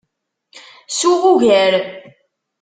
Suɣ ugar.